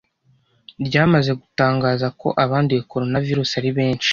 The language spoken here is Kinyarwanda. ryamaze gutangaza ko abanduye Coronavirus ari benshi